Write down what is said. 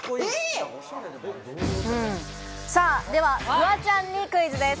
ではフワちゃんにクイズです。